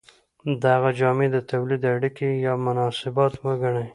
د هغه جامې د تولید اړیکې یا مناسبات وګڼئ.